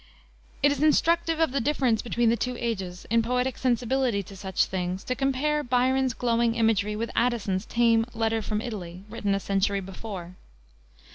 It is instructive of the difference between the two ages, in poetic sensibility to such things, to compare Byron's glowing imagery with Addison's tame Letter from Italy, written a century before.